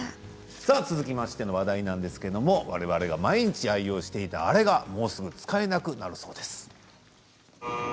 続いての話題ですがわれわれが毎日愛用していたあれがもうすぐ使えなくなるそうです。